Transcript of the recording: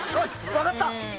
分かった！